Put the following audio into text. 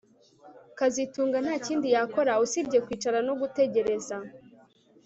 kazitunga nta kindi yakora usibye kwicara no gutegereza